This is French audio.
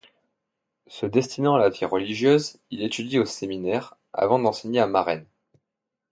Se destinant à la vie religieuse, il étudie au séminaire, avant d'enseigner à Marennes.